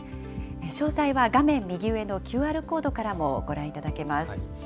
詳細は画面右上のＱＲコードからもご覧いただけます。